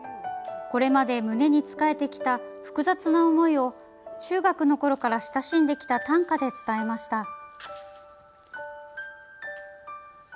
これまで胸につかえてきた複雑な思いを中学のころから親しんできた短歌で伝えました。